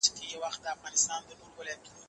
آيا په اسلامي شريعت کي څوک په زيات څه مکلف کيږي؟